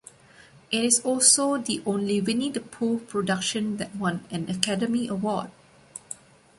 It is also the only Winnie the Pooh production that won an Academy Award.